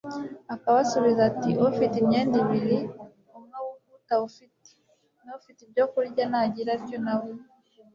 Akabasubiza ati, “Ufite imyenda ibiri umwe awuhe utawufite, n'ufite ibyo kurya nagire atyo na we.